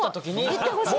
言ってほしい。